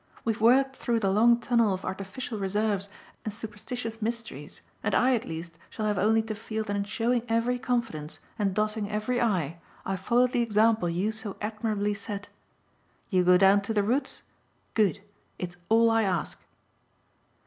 We've worked through the long tunnel of artificial reserves and superstitious mysteries, and I at least shall have only to feel that in showing every confidence and dotting every 'i' I follow the example you so admirably set. You go down to the roots? Good. It's all I ask!"